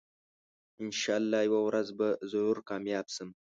انشاالله یوه ورځ به ضرور کامیاب شم